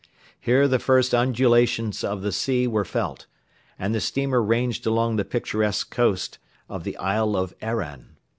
Here the first undulations of the sea were felt, and the steamer ranged along the picturesque coast of the Isle of Arran.